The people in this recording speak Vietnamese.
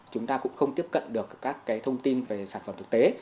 chúng ta cũng không tiếp cận được các thông tin về sản phẩm thực tế